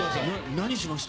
何しました？